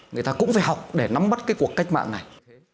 người ta cũng phải học để nắm bắt cái cuộc cách mạng này